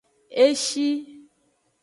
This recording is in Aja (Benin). E shi.